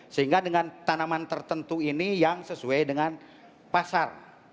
sehingga dengan tanaman tertentu ini yang sesuai dengan pasar